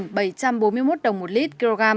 giá xăng e năm giảm ba trăm bốn mươi một đồng một lít